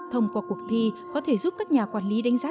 thông qua cuộc thi có thể giúp các nhà quản lý đánh giá